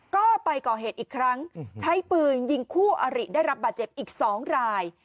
ก็ไปก่อเหตุอีกครั้งใช้ปืนยิงคู่อริได้รับบาดเจ็บอีก๒ราย